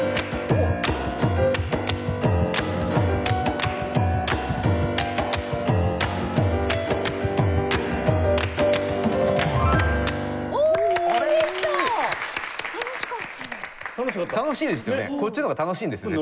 こっちの方が楽しいんですよ。